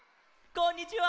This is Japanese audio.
こんにちは！